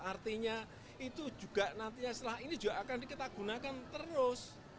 artinya itu juga nantinya setelah ini juga akan kita gunakan terus